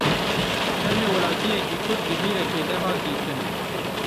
Termê welatiyekî Kurd di bîrekê de hat dîtin.